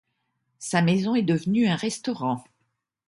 Sa maison est devenue un restaurant.